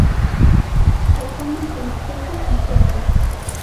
Se come semiseco y seco.